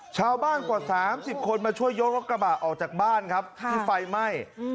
ชาวบ้านกว่าสามสิบคนมาช่วยยกรถกระบาดออกจากบ้านครับค่ะที่ไฟไหม้อืม